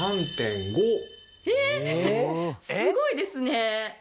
えっすごいですね！